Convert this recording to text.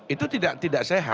itu tidak sehat